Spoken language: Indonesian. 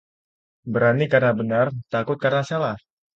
Berani karena benar, takut karena salah